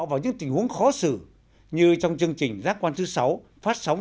vào những tình huống khó xử như trong chương trình giác quan thứ sáu phát sóng